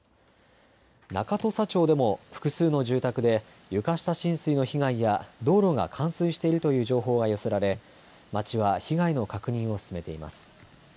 中土佐町でも、複数の住宅で床下浸水の被害や、道路が冠水しているという情報が寄せられ、町は被害の確認を進めています。